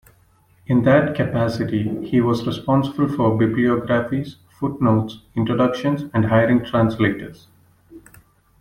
In that capacity, he was responsible for bibliographies, footnotes, introductions, and hiring translators.